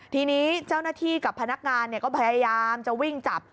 ทีนี้เจ้าหน้าที่กับพนักงานก็พยายามจะวิ่งจับ